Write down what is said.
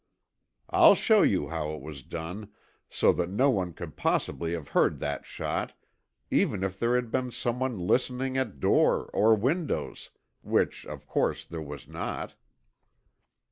"I'll show you how it was done, so that no one could possibly have heard that shot, even if there had been someone listening at door or windows, which, of course, there was not."